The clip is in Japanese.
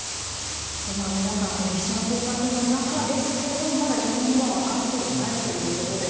皆さん必死の捜索の中ですがまだ原因は分かっていないということです。